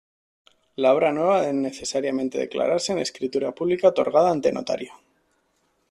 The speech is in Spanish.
La obra nueva debe necesariamente declararse en escritura pública otorgada ante notario.